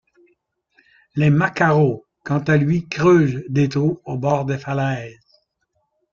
Le macareux, quant à lui, creuse des trous au bord des falaises.